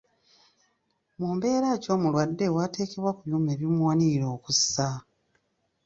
Mu mbeera ki omulwadde w'ateekebwa ku byuma ebimuwanirira okussa?